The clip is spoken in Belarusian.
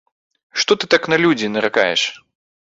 Што ты так на людзі наракаеш?